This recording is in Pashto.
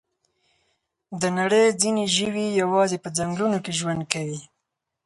د نړۍ ځینې ژوي یوازې په ځنګلونو کې ژوند کوي.